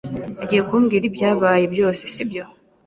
Ugiye kumbwira ibyabaye byose, sibyo?